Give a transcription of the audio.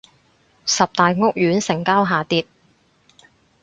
十大屋苑成交下跌